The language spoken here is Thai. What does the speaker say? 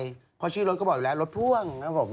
เพราะชื่อรถก็บอกอยู่แล้วรถพ่วงครับผม